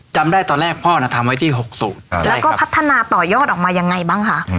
จำได้ตอนแรกพ่อน่ะทำไว้ที่๖สูตรแล้วก็พัฒนาต่อยอดออกมายังไงบ้างคะ